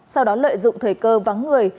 sau đó lợi dụng thời cơ vắng người